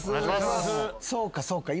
そうかそうか。